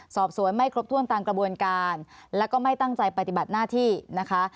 สอบสวนไม่ครบถ้วนตามกระบวนการแล้วก็ไม่ตั้งใจปฏิบัติหน้าที่นะคะ